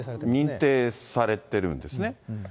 認定されてるんですね。